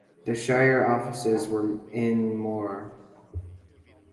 The shire offices were in Moree.